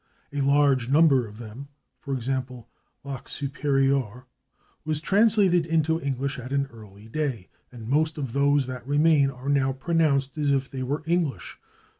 A large number of them, /e. g./, /Lac Superieur/, were translated into English at an early day, and most of those that remain are now pronounced as if they were English.